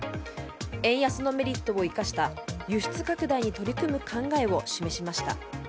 円安のメリットを生かした輸出拡大に取り組む考えを示しました。